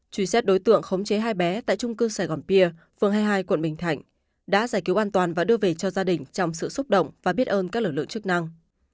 truy xét đối tượng khống chế hai bé tại trung cư sài gòn pia phường hai mươi hai quận bình thạnh đã giải cứu an toàn và đưa về cho gia đình trong sự xúc động và biết ơn các lực lượng chức năng